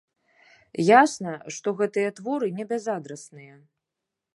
Ясна, што гэтыя творы не бязадрасныя.